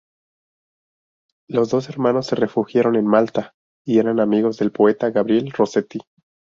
Los dos hermanos se refugiaron en Malta y eran amigos del poeta Gabriel Rossetti.